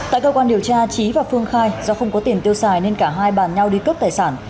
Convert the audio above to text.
tại cơ quan điều tra trí và phương khai do không có tiền tiêu xài nên cả hai bàn nhau đi cướp tài sản